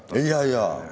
いやいや。